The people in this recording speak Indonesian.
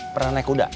pernah naik kuda